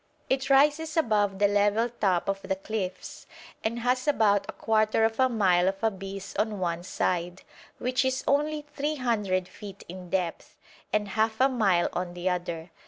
It rises above the level top of the cliffs, and has about a quarter of a mile of abyss on one side, which is only 300 feet in depth, and half a mile on the other.